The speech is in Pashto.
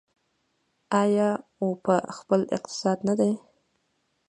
آیا او په خپل اقتصاد نه ده؟